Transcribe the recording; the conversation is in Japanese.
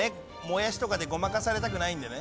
もやしとかでごまかされたくないんでね」